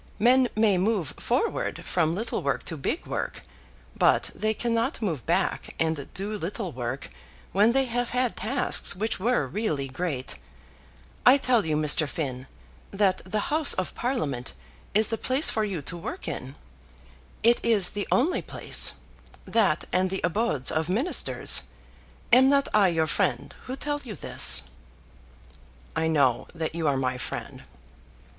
Men may move forward from little work to big work; but they cannot move back and do little work, when they have had tasks which were really great. I tell you, Mr. Finn, that the House of Parliament is the place for you to work in. It is the only place; that and the abodes of Ministers. Am not I your friend who tell you this?" "I know that you are my friend."